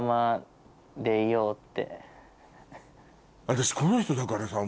私この人だからさ